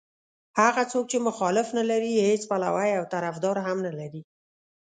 هغه څوک چې مخالف نه لري هېڅ پلوی او طرفدار هم نه لري.